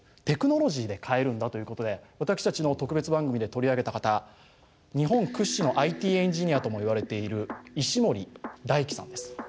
テクノロジーで変えるんだということで私たちの特別番組で取り上げた方日本屈指のＩＴエンジニアともいわれている石森大貴さんです。